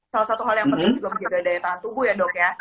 salah satu hal yang penting juga menjaga daya tahan tubuh ya dok ya